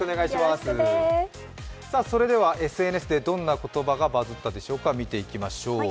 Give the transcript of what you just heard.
それではＳＮＳでどんな言葉がバズったでしょうか見ていきましょう。